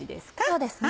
そうですね。